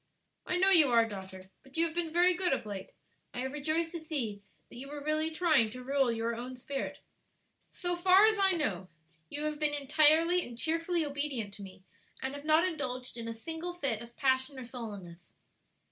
"I know you are, daughter; but you have been very good of late. I have rejoiced to see that you were really trying to rule your own spirit. So far as I know, you have been entirely and cheerfully obedient to me, and have not indulged in a single fit of passion or sullenness."